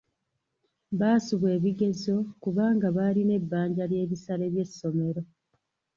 Baasubwa ebigezo kubanga baalina ebbanja ly'ebisale by'essomero.